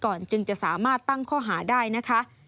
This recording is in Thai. จึงจะสามารถตั้งข้อหาได้นะคะ